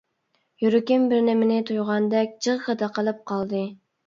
يۈرىكىم بىرنېمىنى تۇيغاندەك «جىغغىدە» قىلىپ قالدى.